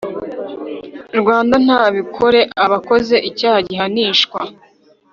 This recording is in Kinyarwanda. Rwanda ntabikore aba akoze icyaha gihanishwa